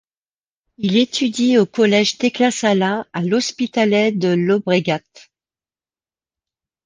Il étudie au collège Tecla Sala à L'Hospitalet de Llobregat.